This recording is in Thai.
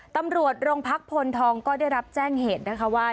ตำรวจโรงพักพลทองก็ได้รับแจ้งเหตุนะคะว่า